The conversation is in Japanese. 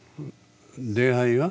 出会いは？